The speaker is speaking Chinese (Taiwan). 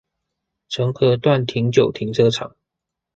澄合段停九停車場